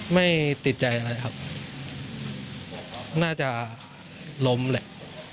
ไม่ติดใจอะไรครับน่าจะล้มแหละ